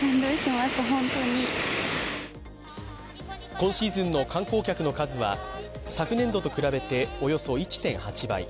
今シーズンの観光客の数は昨年度と比べて、およそ１．８倍。